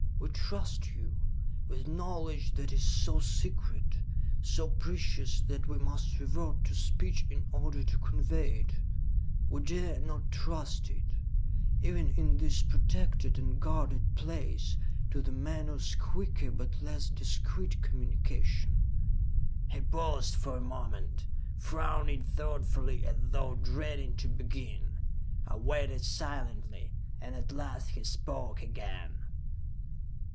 We trust you with knowledge that is so secret, so precious, that we must revert to speech in order to convey it; we dare not trust it, even in this protected and guarded place, to the menore's quicker but less discreet communication." He paused for a moment, frowning thoughtfully as though dreading to begin. I waited silently, and at last he spoke again.